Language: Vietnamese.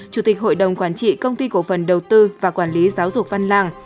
chủ tịch hội đồng quản trị công ty cổ phần đầu tư và quản lý giáo dục văn lang